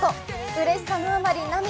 うれしさのあまり涙。